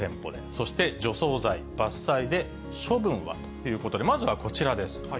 そして除草剤、伐採で処分は？ということで、まずはこちらです。